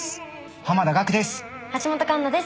濱田岳です。